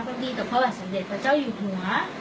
เลสเตอร์เป็นทีมที่ผมและพ่อใช้ร่วมกัน